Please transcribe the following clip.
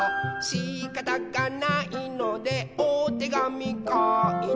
「しかたがないのでおてがみかいた」